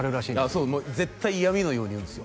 そう絶対嫌みのように言うんですよ